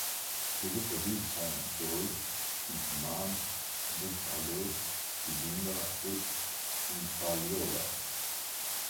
Les autres villes sont Choi, Chinchimane, Bukalo, Sibinda et Impaliola.